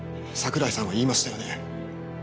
桜井さんは言いましたよね。